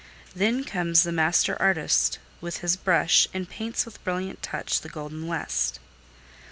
Then comes the Master Artist with his brush, And paints with brilliant touch the golden west.